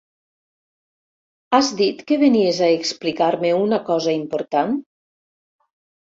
Has dit que venies a explicar-me una cosa important?